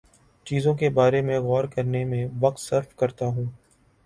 چیزوں کے بارے میں غور کرنے میں وقت صرف کرتا ہوں